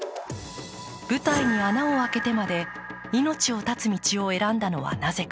舞台に穴を空けてまで命を絶つ道を選んだのはなぜか。